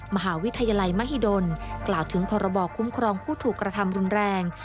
มหาวิทยาลัยมหิดลกล่าวถึงพรบคุ้มครองผู้ถูกกระทำรุนแรง